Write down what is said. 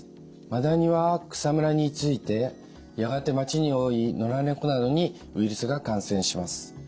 マダニは草むらに居ついてやがて町に多い野良猫などにウイルスが感染します。